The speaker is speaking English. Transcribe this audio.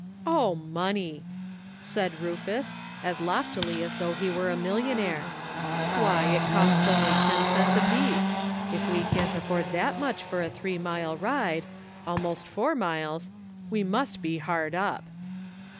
" O, money !" said Rufus, as loftily as though he were a millionaire ;" why, it costs only ten cents apiece. If we can't afford that much for a three mile ride — almost four miles — we must be hard up."